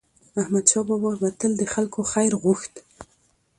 احمدشاه بابا به تل د خلکو خیر غوښت.